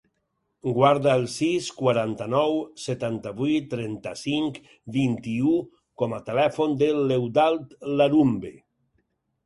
Guarda el sis, quaranta-nou, setanta-vuit, trenta-cinc, vint-i-u com a telèfon de l'Eudald Larumbe.